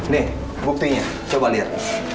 nih buktinya coba lihat